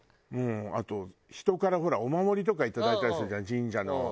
あと人からほらお守りとかいただいたりするじゃん神社の。